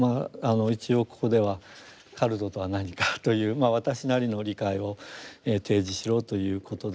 一応ここではカルトとは何かという私なりの理解を提示しろということですので。